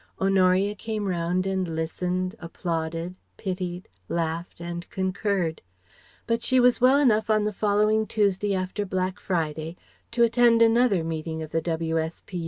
Honoria came round and listened, applauded, pitied, laughed and concurred. But she was well enough on the following Tuesday after Black Friday to attend another meeting of the W.S.P.